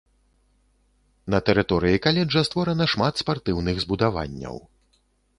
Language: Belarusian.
На тэрыторыі каледжа створана шмат спартыўных збудаванняў.